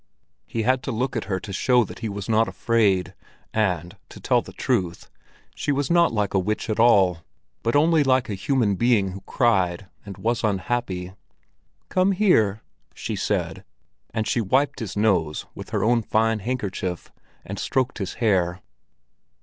He had to look at her to show that he was not afraid, and to tell the truth, she was not like a witch at all, but only like a human being who cried and was unhappy. "Come here!" she said, and she wiped his nose with her own fine handkerchief, and stroked his hair.